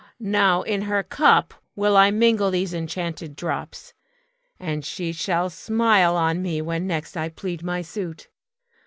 Now in her cup will I mingle these enchanted drops, and she shall smile on me when next I plead my suit.